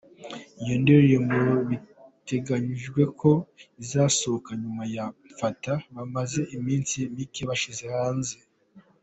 Iyo ndirimbo biteganijwe ko izasohoka nyuma ya “Mfata” bamaze iminsi mike bashyize hanze.